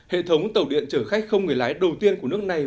hệ thống tàu điện chở khách không người lái đầu tiên của nước này